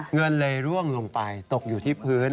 เงินเลยร่วงลงไปตกอยู่ที่พื้น